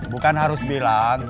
bukan harus bilang